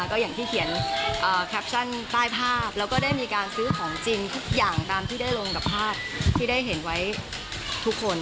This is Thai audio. ก็อย่างที่เขียนแคปชั่นใต้ภาพแล้วก็ได้มีการซื้อของจริงทุกอย่างตามที่ได้ลงกับภาพที่ได้เห็นไว้ทุกคน